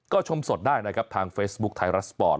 ก็ชมสดได้นะครับทางเฟซบุ๊คไทยรัฐสปอร์ต